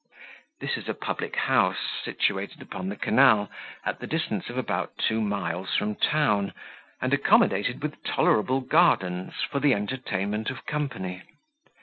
This is a public house, situated upon the canal, at the distance of about two miles from town, and accommodated with tolerable gardens, for the entertainment of company.